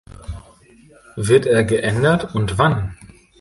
Wird er geändert und wann?